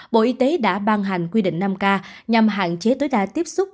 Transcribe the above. bộ y tế đã ban hành quy định năm k nhằm hạn chế tối đa tiếp xúc